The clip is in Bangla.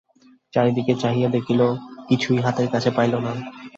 চারিদিকে চাহিয়া দেখিল, কিছুই হাতের কাছে পাইল না!